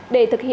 để thực hiện